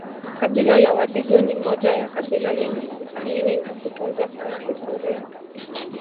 Kabila la wadigo ni moja ya kabila lenye kuthamini na kutunza sana historia